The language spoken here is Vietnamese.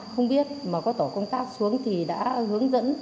không biết mà có tổ công tác xuống thì đã hướng dẫn